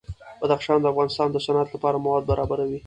بدخشان د افغانستان د صنعت لپاره مواد برابروي.